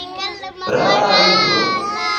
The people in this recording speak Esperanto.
Rara libro.